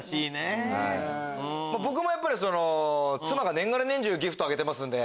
僕も妻が年がら年中ギフトあげてますんで。